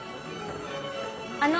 あの！